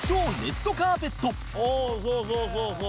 「そうそうそうそう」